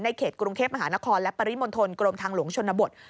เขตกรุงเทพมหานครและปริมณฑลกรมทางหลวงชนบท